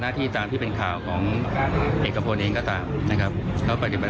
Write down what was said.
ที่ตามที่เป็นข่าวของเอกพลเองก็ตามนะครับเขาปฏิบัติ